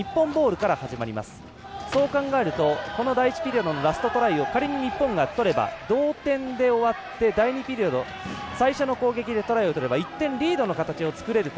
そう考えるとこの第１ピリオドのラストトライを仮に日本がとれば同点で終わって、第２ピリオド最初の攻撃でトライを取れば１点リードの形を作れます。